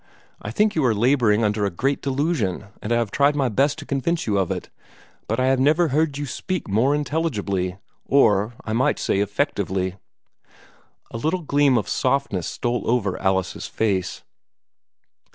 I think you are laboring under a great delusion, and I have tried my best to convince you of it; but I have never heard you speak more intelligibly or, I might say, effectively." A little gleam of softness stole over Alice's face.